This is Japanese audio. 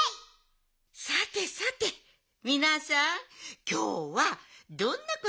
さてさてみなさんきょうはどんなことをしてあそびましょうか。